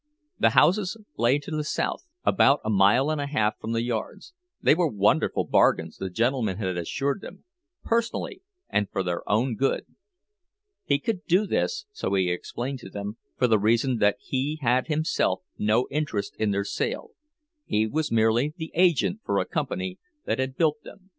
The houses lay to the south, about a mile and a half from the yards; they were wonderful bargains, the gentleman had assured them—personally, and for their own good. He could do this, so he explained to them, for the reason that he had himself no interest in their sale—he was merely the agent for a company that had built them.